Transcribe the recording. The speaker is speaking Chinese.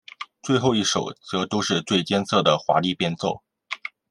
最后一首则都是最艰涩的华丽变奏。